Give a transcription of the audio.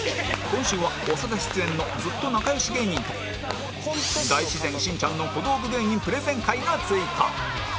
今週は長田出演のずっと仲良し芸人と大自然しんちゃんの小道具芸人プレゼン回が追加